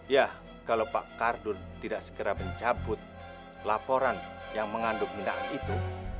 ya kalau pak kardun tidak segera mencabut laporan yang mengandung tindakan itu